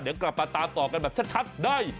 เดี๋ยวกลับมาตามต่อกันแบบชัดได้